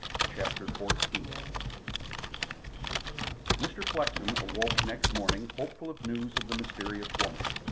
CHAPTER XIV Mr. Flexen awoke next morning hopeful of news of the mysterious woman.